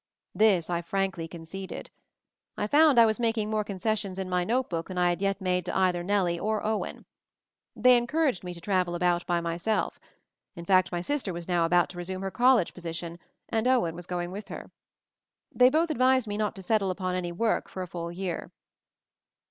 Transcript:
This I frankly conceded. I found I was making more concessions in my note book than I had yet made to either Nellie or Owen. They encouraged me to travel about by myself. In fact, my sister was now about to resume her college position and Owen was going with her. They both advised me not to settle upon any work for a full year.